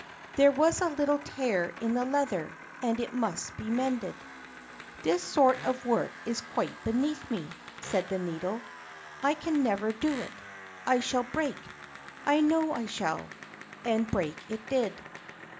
There was a little tear in the leather, and it must be mended. "This sort of work is quite beneath me," said the Needle; "I can never do it. I shall break—I know I shall!" And break it did.